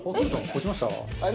落ちました？